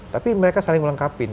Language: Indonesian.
tapi mereka saling melengkapin